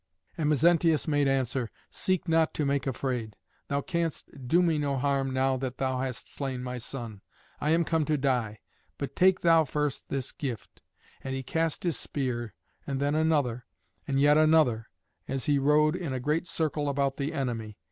And Mezentius made answer: "Seek not to make afraid. Thou canst do me no harm now that thou hast slain my son. I am come to die, but take thou first this gift;" and he cast his spear, and then another, and yet another, as he rode in a great circle about the enemy.